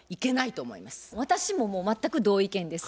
私も全く同意見です。